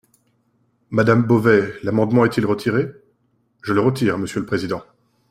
Madame Beauvais, l’amendement est-il retiré ? Je le retire, monsieur le président.